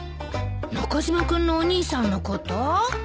中島君のお兄さんのこと？